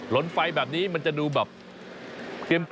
ล้นไฟแบบนี้มันจะดูแบบเกรียมเล็กน้อย